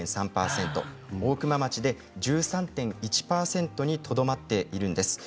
大熊町で１３．１％にとどまっているんです。